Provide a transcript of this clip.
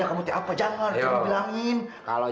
ya ada yang coba lu